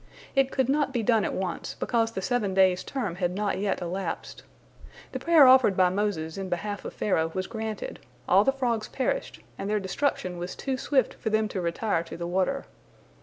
It could not be done at once, because the seven days' term had not yet elapsed. The prayer offered by Moses in behalf of Pharaoh was granted, all the frogs perished, and their destruction was too swift for them to retire to the water.